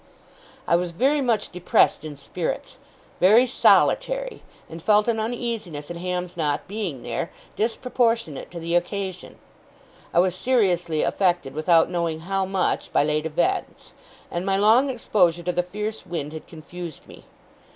I was very much depressed in spirits; very solitary; and felt an uneasiness in Ham's not being there, disproportionate to the occasion. I was seriously affected, without knowing how much, by late events; and my long exposure to the fierce wind had confused me.